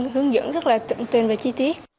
hướng dẫn rất là tự tin và chi tiết